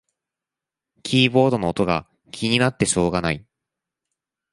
キーボードの音が気になってしょうがない